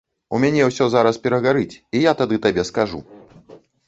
У мяне ўсё зараз перагарыць, і я тады табе скажу.